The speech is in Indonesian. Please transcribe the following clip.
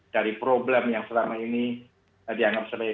dari problem yang selama ini dianggap sebagai